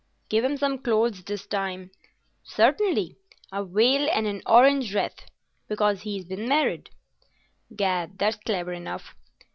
"Give him some clothes this time." "Certainly—a veil and an orange wreath, because he's been married." "Gad, that's clever enough!"